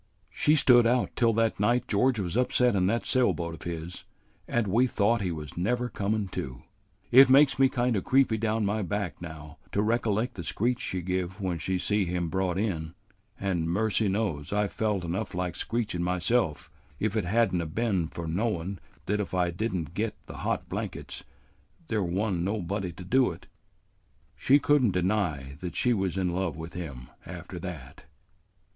"She stood out till that night George was upset in that sail boat of his and we thought he was never comin' to. It makes me kind o' creepy down my back now to recollect the screech she give when she see him brought in; an' mercy knows I felt enough like screechin' myself, if it had n't 'a' been for knowin' that if I did n't get the hot blankets, there wa'n't nobody to do it. She could n't deny that she was in love with him after that."